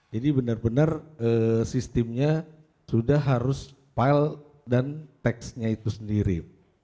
jadi benar benar sistemnya sudah harus file dan teksnya itu sendiri